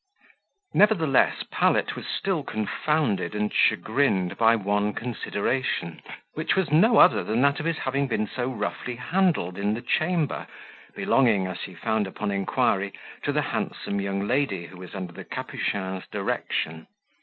Nevertheless, Pallet was still confounded and chagrined by one consideration, which was no other than that of his having been so roughly handled in the chamber, belonging, as he found upon inquiry, to the handsome young lady who was under the Capuchin's direction.